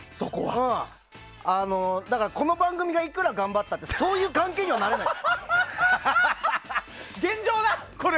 この番組がいくら頑張ったってそういう関係にはなれない。